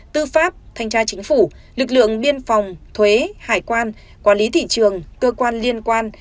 tư pháp thanh tra chính phủ lực lượng biên phòng thuế hải quan quản lý thị trường cơ quan liên quan